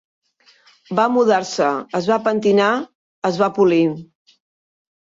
Va mudar-se, es va pentinar, es va polir